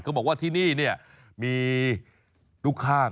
เขาบอกว่าที่นี่มีลูกข้าง